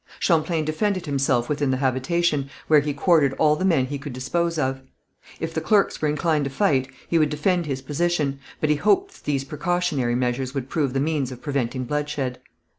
Champlain defended himself within the habitation, where he quartered all the men he could dispose of. If the clerks were inclined to fight he would defend his position, but he hoped that these precautionary measures would prove the means of preventing bloodshed.